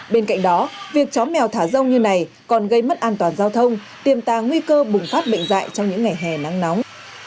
bên cạnh đó việc chó mèo thả rông như này còn gây mất an toàn giao thông tiêm tàng nguy cơ bùng phát bệnh dạy trong những ngày hè nắng nóng